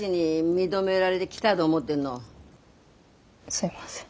すいません。